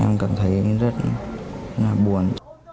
em cảm thấy rất là buồn